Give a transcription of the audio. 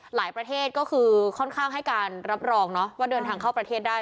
ประเทศก็คือค่อนข้างให้การรับรองเนาะว่าเดินทางเข้าประเทศได้